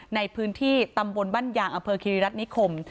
ในพื้นที่ตำบลบ้านยางอำเภอคิริรัตนิคม